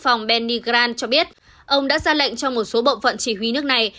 văn phòng benny grant cho biết ông đã ra lệnh cho một số bộ phận chỉ huy nước này